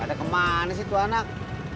ada kemana sih tuan anak